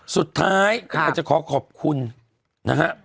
สุดท้ายอาจจะขอขอบคุณนะฮะ